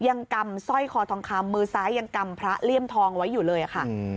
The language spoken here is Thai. กำสร้อยคอทองคำมือซ้ายยังกำพระเลี่ยมทองไว้อยู่เลยค่ะ